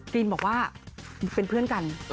รีมบอกว่าเป็นเพื่อนกัน